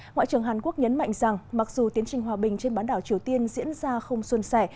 ngoại trưởng hàn quốc nhấn mạnh rằng mặc dù tiến trình hòa bình trên bán đảo triều tiên diễn ra không xuân sẻ